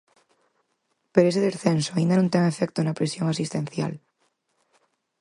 Pero ese descenso aínda non ten efecto na presión asistencial.